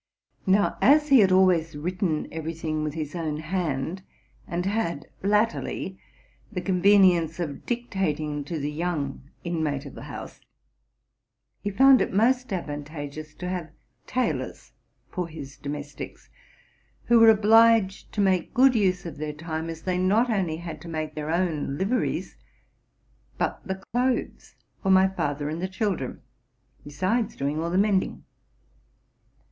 Now, as he had always written every thing with his own hand, and had, latterly, the convenience of dictating to the young inmate of the house, he found it most advanta geous to have tailors for his domestics, who were obliged to make good use of their time, as they not only had to make their own liveries, but the clothes for my father and the children, besides doing all the mending.